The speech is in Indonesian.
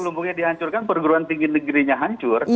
kalau lumbungnya dihancurkan perguruan tinggi negerinya hancur